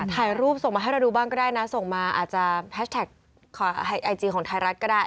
ถ่ายรูปส่งมาให้เราดูบ้างก็ได้นะส่งมาอาจจะแฮชแท็กไอจีของไทยรัฐก็ได้